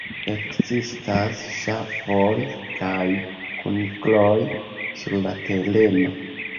Ekzistas ŝafoj kaj kunikloj sur la tereno.